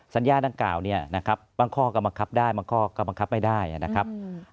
สัญญาดังกล่าวเนี่ยนะครับบางข้อก็บังคับได้บางข้อก็บังคับไม่ได้นะครับ